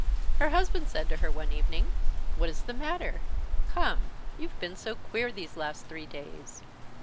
Her husband said to her one evening: "What is the matter? Come, you've been so queer these last three days."